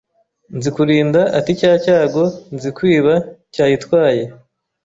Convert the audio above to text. Nzikurinda ati Cya cyago Nzikwiba cyayitwaye